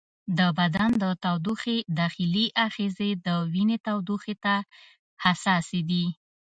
د بدن د تودوخې داخلي آخذې د وینې تودوخې ته حساسې دي.